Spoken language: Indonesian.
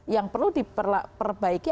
yang perlu diperbaiki